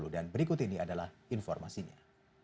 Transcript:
dan berikut ini adalah informasinya